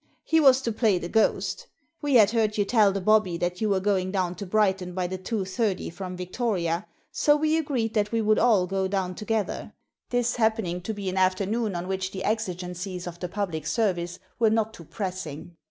He was to play the ghost We had heard you tell the bobby that you were going down to Brighton by the 2.30 from Victoria, so we agreed that we would all go down together — this happening to be an afternoon on which the exigencies of the public service were not too pressing.